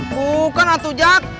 bukan atu jack